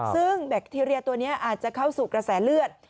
ซึ่งแบคทีเรียตัวนี้อาจจะเข้าสู่กระแสเลือด